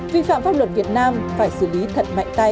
vi phạm pháp luật việt nam phải xử lý thật mạnh tay